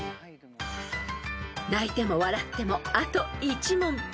［泣いても笑ってもあと１問］